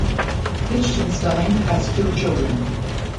Lichtenstein has two children.